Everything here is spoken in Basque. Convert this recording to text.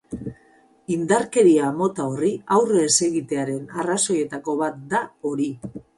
Indarkeria mota horri aurre ez egitearen arrazoietako bat da hori.